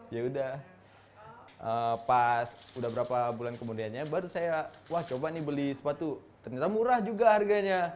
ya udah pas udah berapa bulan kemudiannya baru saya wah coba nih beli sepatu ternyata murah juga harganya